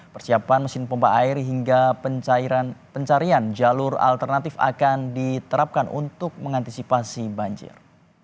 persiapan mesin pompa air hingga pencarian jalur alternatif akan diterapkan untuk mengantisipasi banjir